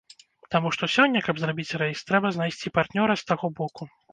Таму што сёння, каб зрабіць рэйс, трэба знайсці партнёра з таго боку.